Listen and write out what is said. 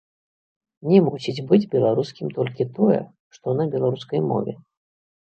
Не мусіць быць беларускім толькі тое, што на беларускай мове.